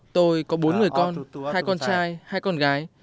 tôi có bốn người con hai con trai hai con gái